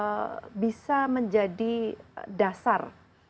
ini adalah skill yang bisa menjadi dasar